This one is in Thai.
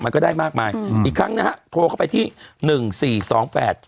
ก็ได้มากมายอืมอีกครั้งนะฮะโทรเข้าไปที่หนึ่งสี่สองแปด